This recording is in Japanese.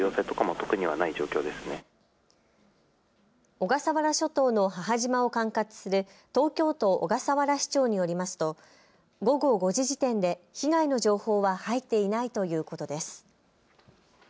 小笠原諸島の母島を管轄する東京都小笠原支庁によりますと午後５時時点で被害の情報は入っていないということです。